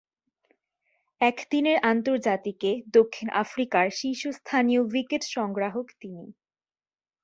একদিনের আন্তর্জাতিকে দক্ষিণ আফ্রিকার শীর্ষস্থানীয় উইকেট-সংগ্রাহক তিনি।